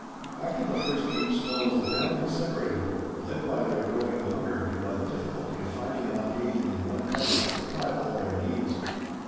After the first deep snows the family separated, led by their growing hunger and by the difficulty of finding enough game in one cover to supply all their needs.